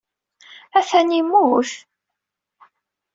Atan immut?